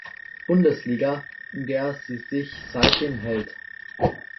Bundesliga, in der sie sich seitdem hält.